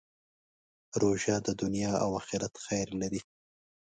روژه د دنیا او آخرت خیر لري.